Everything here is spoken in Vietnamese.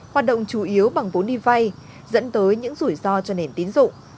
hoạt động chủ yếu bằng vốn đi vay dẫn tới những rủi ro cho nền tín dụng